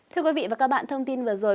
thưa quý vị và các bạn thông tin vừa rồi